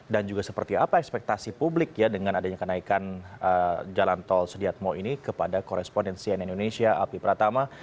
dan juga seperti apa ekspektasi publik dengan adanya kenaikan jalan tol sediat mau ini kepada korespondensi ini indonesia api pratama